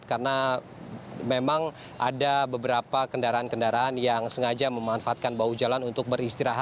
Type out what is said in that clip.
karena memang ada beberapa kendaraan kendaraan yang sengaja memanfaatkan bau jalan untuk beristirahat di jawa